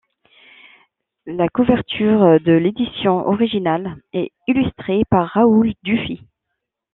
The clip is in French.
La couverture de l'édition originale est illustrée par Raoul Dufy.